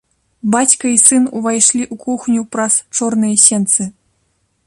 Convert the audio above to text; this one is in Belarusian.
Бацька і сын увайшлі ў кухню праз чорныя сенцы.